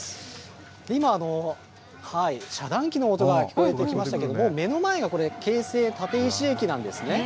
今、遮断機の音が聞こえてきましたけど、もう目の前がこれ、京成立石駅なんですね。